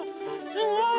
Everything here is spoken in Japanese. すごい。